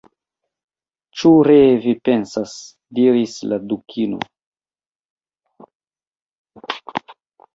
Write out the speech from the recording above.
"Ĉu ree vi pensas?" diris la Dukino.